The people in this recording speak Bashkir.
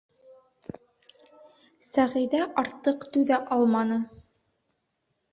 Сәғиҙә артыҡ түҙә алманы.